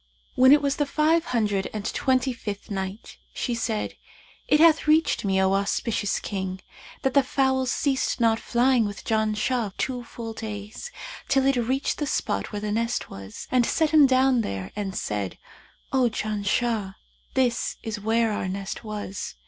When it was the Five Hundred and Twenty fifth Night, She said, It hath reached me, O auspicious King, that "the fowl ceased not flying with Janshah two full days; till it reached the spot where the nest was, and set him down there and said, 'O Janshah, this is where our nest was.'